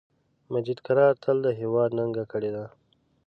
مجید قرار تل د هیواد ننګه کړی ده